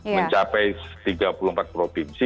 mencapai tiga puluh empat provinsi